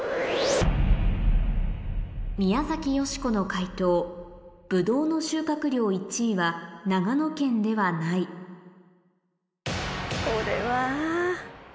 宮崎美子の解答ブドウの収穫量１位は長野県ではないこれは。